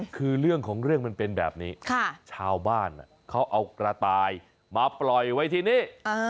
คือเรื่องของเรื่องมันเป็นแบบนี้ชาวบ้านเขาเอากระต่ายมาปล่อยไว้ที่นี่